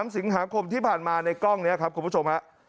๓สิงหาคมที่ผ่านมาในกล้องนี้ครับคุณผู้ชมฮะ